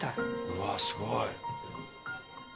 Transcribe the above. うわすごい。